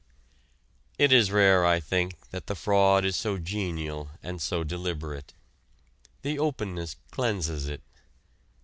It is rare, I think, that the fraud is so genial and so deliberate. The openness cleanses it.